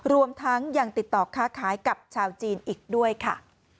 รวมทั้งยังติดต่อค้าขายกับชาวจีนอีกด้วยค่ะ